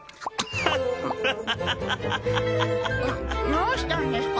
どうしたんですか？